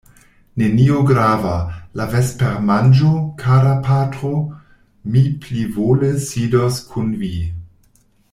Nenio grava, la vespermanĝo, kara patro; mi plivole sidos kun vi.